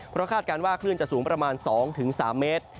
เพราะคาดการณ์ว่าคลื่นจะสูงประมาณ๒๓เมตร